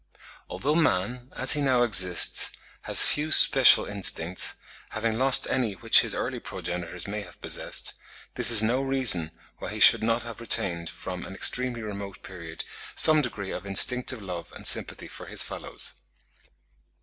Although man, as he now exists, has few special instincts, having lost any which his early progenitors may have possessed, this is no reason why he should not have retained from an extremely remote period some degree of instinctive love and sympathy for his fellows.